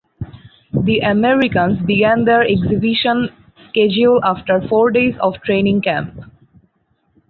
The Americans began their exhibition schedule after four days of training camp.